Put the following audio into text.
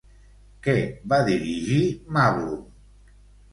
Què va dirigir Màblung?